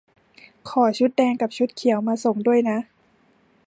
ขอชุดแดงกับชุดเขียวมาส่งด้วยนะ